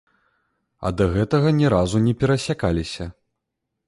А да гэтага ні разу не перасякаліся.